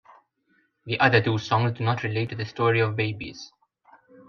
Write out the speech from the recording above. The other two songs do not relate to the story of Babies.